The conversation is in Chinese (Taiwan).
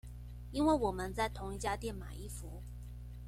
因為我們在同一家店買衣服